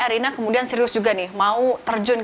erina kemudian serius juga nih mau terjun